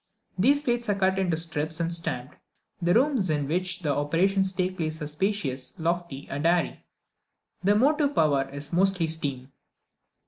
These plates are cut into strips and stamped. The rooms in which the operations take place are spacious, lofty, and airy. The motive power is mostly steam.